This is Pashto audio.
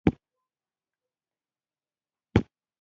د ویاندویانو واکونه یې هم محدود کړل.